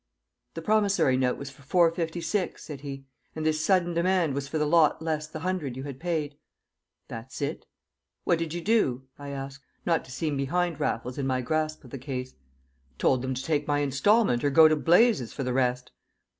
"The promissory note was for four fifty six," said he, "and this sudden demand was for the lot less the hundred you had paid?" "That's it." "What did you do?" I asked, not to seem behind Raffles in my grasp of the case. "Told them to take my instalment or go to blazes for the rest!"